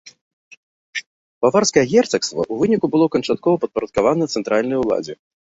Баварскае герцагства ў выніку было канчаткова падпарадкавана цэнтральнай уладзе.